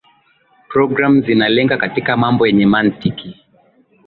programu zinalenga katika mambo yenye mantiki